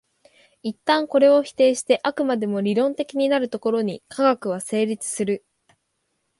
一旦これを否定して飽くまでも理論的になるところに科学は成立する。